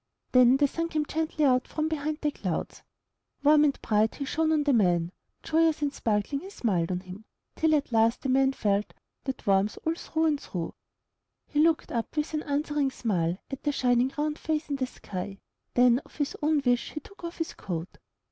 Then the Sun came gently out from behind the clouds. Warm and bright, he shone on the man; joyous and sparkling he smiled on him, till at last the man felt that warmth all through and through. He looked up with an answering smile, at the shining round face in the sky; then of his own wish he took off his coat.